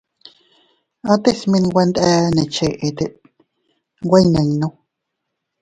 Ates menwe nde ne cheʼe tet nwe iyninnu.